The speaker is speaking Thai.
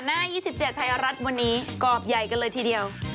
๒๗ไทยรัฐวันนี้กรอบใหญ่กันเลยทีเดียว